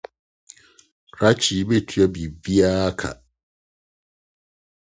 Krakye yi betua biribiara ka